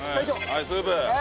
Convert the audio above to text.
はいスープ。